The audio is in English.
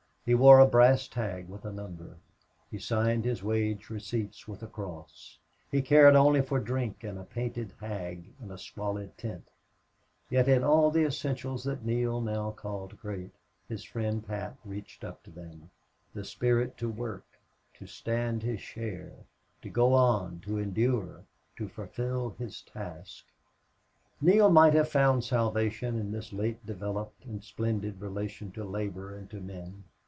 He wore a brass tag with a number; he signed his wage receipt with a cross; he cared only for drink and a painted hag in a squalid tent; yet in all the essentials that Neale now called great his friend Pat reached up to them the spirit to work, to stand his share, to go on, to endure, to fulfill his task. Neale might have found salvation in this late developed and splendid relation to labor and to men.